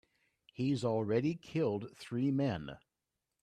He's already killed three men.